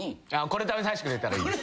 これ食べさせてくれたらいい。